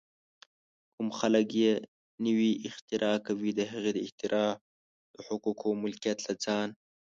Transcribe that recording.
کوم خلک چې نوې اختراع کوي، د هغې اختراع د حقوقو ملکیت له ځان